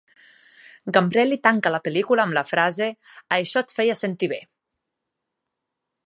Gambrelli tanca la pel·lícula amb la frase: "Això et feia sentir bé!"